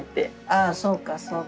あそうかそうか。